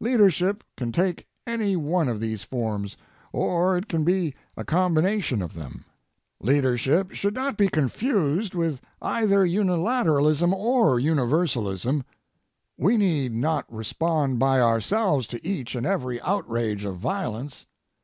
Leadership can take any one of these forms, or it can be a combination of them. Leadership should not be confused with either unilateralism or universalism. We need not respond by ourselves to each and every outrage of violence.